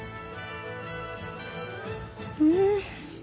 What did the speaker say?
うん。